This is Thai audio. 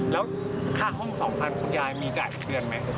แล้วค่าห้อง๒๐๐๐บาทพุทธยายมีจ่ายอีกเดือนไหม